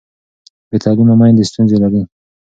بې تعلیمه میندې ستونزه لري.